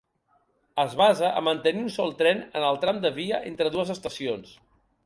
Es basa a mantenir un sol tren en el tram de via entre dues estacions.